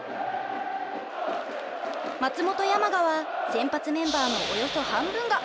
松本山雅は先発メンバーのおよそ半分がアマチュア選手。